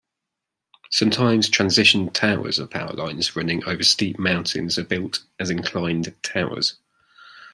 Sometimes transmission towers of powerlines running over steep mountains are built as inclined towers.